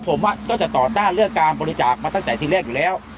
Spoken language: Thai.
ผมก็จะต่อต้านเรื่องการบริจาคมาตั้งแต่ทีแรกอยู่แล้ว